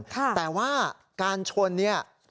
แต่ว่าการชนเนี่ย